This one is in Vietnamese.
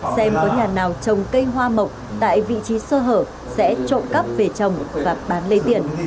xem có nhà nào trồng cây hoa mộc tại vị trí sơ hở sẽ trộm cắp về trồng và bán lấy tiền